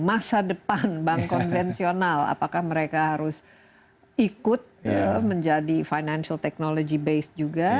masa depan bank konvensional apakah mereka harus ikut menjadi financial technology base juga